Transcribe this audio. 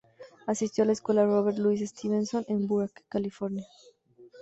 Asistió a la Escuela Robert Louis Stevenson en Burbank, California.